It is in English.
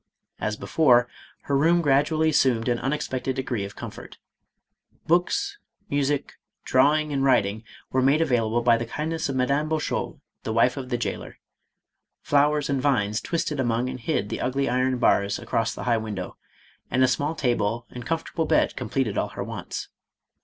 As before, her room gradually assumed an unexpected degree of comfort. Books, music, draw ing, and writing were made available by the kindness of Madame Bouchaud, the wife of the jailer; flowers, and vines twined among and hid the ugly iron bars across the high window, and a small table and comfort able bed completed all her wants.